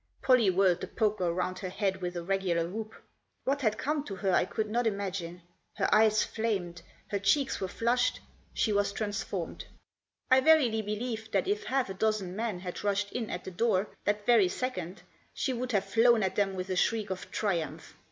Pollie whirled the poker round her head with a regular whoop. What had come to her I could not imagine. Her eyes flamed ; her cheeks were flushed ; she was transformed. I verily believe that if half a dozen men had rushed in at the door Digitized by 164 $HE J0S3. that very second, she would have flown at them with a shriek of triumph.